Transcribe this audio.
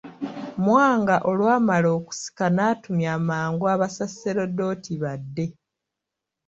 Mwanga olwamala okusika n'atumya mangu Abasaserdoti badde.